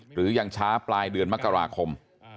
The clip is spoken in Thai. หรือยังช้าปลายเดือนมกราคม